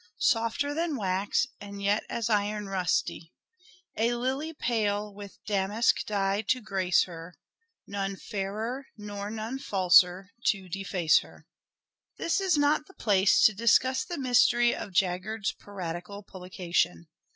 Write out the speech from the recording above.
Softer than wax, and yet as iron rusty ; A lily pale with damask dye to grace her, None fairer nor none falser to deface her." This is not the place to discuss the mystery of Jaggard's piratical publication.